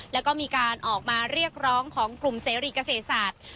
แล้วก็มีการออกมาเรียกร้องของกลุ่มเสรีเกษตรศาสตร์